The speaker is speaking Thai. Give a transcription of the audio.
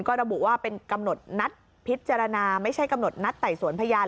ก็ระบุว่าเป็นกำหนดนัดพิจารณาไม่ใช่กำหนดนัดไต่สวนพยาน